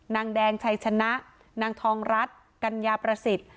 นางแดงชัยชนะนางทองรัฐกัญญาประสิทธิ์